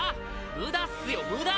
無駄っすよ無駄！